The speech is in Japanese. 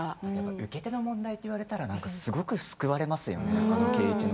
受け手の問題と言われたらすごく救われますね